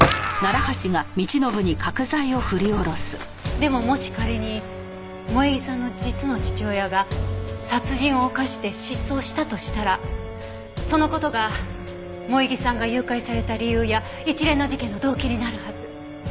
でももし仮に萌衣さんの実の父親が殺人を犯して失踪したとしたらその事が萌衣さんが誘拐された理由や一連の事件の動機になるはず。